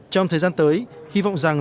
trong thời gian tới hy vọng rằng